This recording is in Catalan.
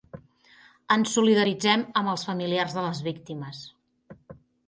Ens solidaritzem amb els familiars de les víctimes.